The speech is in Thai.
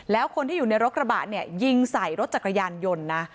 แล้วคนที่อยู่ในรถกระบะเนี่ยยิงใส่รถจักรยานยนต์นะ